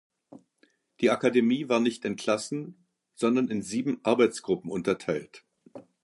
Die Akademie war nicht in Klassen, sondern in sieben Arbeitsgruppen unterteilt.